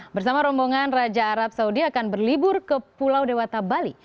bersama rombongan raja arab saudi akan berlibur ke pulau dewata bali